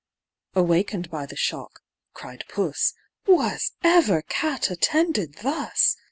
Awaken'd by the shock (cried Puss) "Was ever cat attended thus?